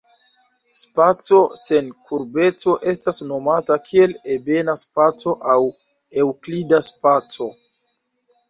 Spaco sen kurbeco estas nomata kiel "ebena spaco" aŭ eŭklida spaco.